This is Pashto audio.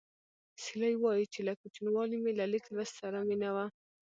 سیلۍ وايي چې له کوچنیوالي مې له لیک لوست سره مینه وه